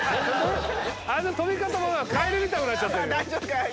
あいつの跳び方がカエルみたくなっちゃってるよ。